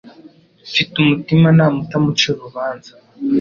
Mfite umutimanama utamucira urubanza.